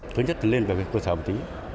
thứ nhất là lên về cơ sở một tí